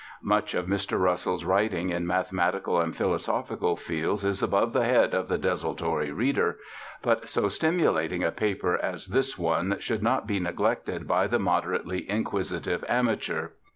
Much of Mr. Russell's writing, in mathematical and philosophical fields, is above the head of the desultory reader; but so stimulating a paper as this one should not be neglected by the moderately inquisitive amateur.